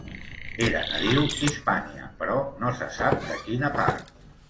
Era nadiu d'Hispània però no se sap de quina part.